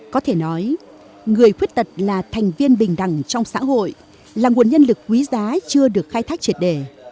có thể nói người khuyết tật là thành viên bình đẳng trong xã hội là nguồn nhân lực quý giá chưa được khai thác triệt đề